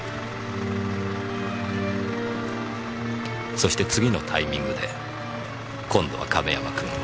そして次のタイミングで今度は亀山君を。